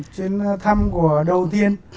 chuyến thăm của đầu tiên